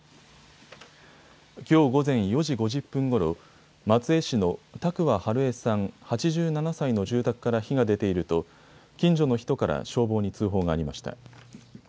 きょう午前４時５０分ごろ、松江市の多久和ハルエさん、８７歳の住宅から火が出ていると近所の人から消防に通報がありました。